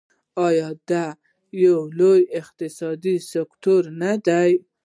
آیا دا یو لوی اقتصادي سکتور نه دی؟